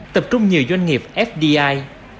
tập trung nhiều doanh nghiệp fdi